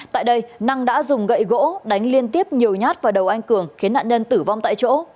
tại đây năng đã dùng gậy gỗ đánh liên tiếp nhiều nhát vào đầu anh cường khiến nạn nhân tử vong tại chỗ